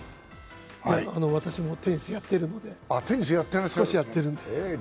私もテニスやってるので、少しやってるんですよ。